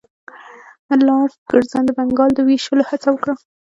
لارډ کرزن د بنګال د ویشلو هڅه وکړه.